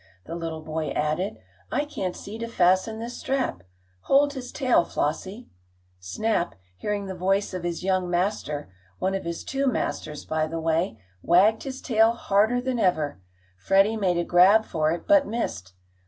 the little boy added. "I can't see to fasten this strap. Hold his tail, Flossie." Snap, hearing the voice of his young master one of his two masters by the way wagged his tail harder than ever. Freddie made a grab for it, but missed.